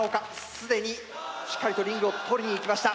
既にしっかりとリングを取りに行きました。